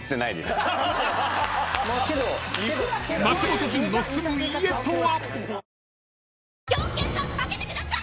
［松本潤の住む家とは？］